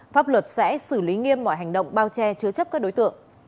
pháp luật sẽ xử lý nghiêm mọi hành động bao che chứa chấp các đối tượng